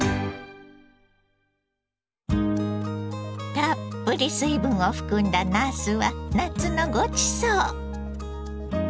たっぷり水分を含んだなすは夏のごちそう！